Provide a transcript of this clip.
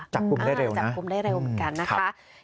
จับกลุ่มได้เร็วจับกลุ่มได้เร็วเหมือนกันนะคะ